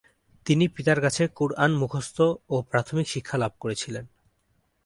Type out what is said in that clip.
তিনি পিতার কাছে "কুরআন" মুখস্থ ও প্রাথমিক শিক্ষা লাভ করেছিলেন।